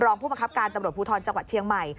ผู้บังคับการตำรวจภูทรจังหวัดเชียงใหม่